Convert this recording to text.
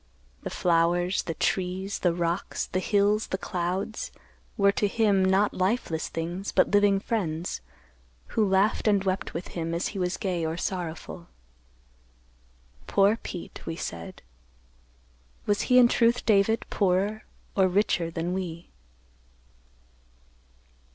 The flowers, the trees, the rocks, the hills, the clouds were to him, not lifeless things, but living friends, who laughed and wept with him as he was gay or sorrowful. "'Poor Pete,' we said. Was he in truth, David, poorer or richer than we?"